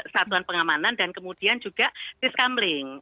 satuan pengamanan dan kemudian juga riskambling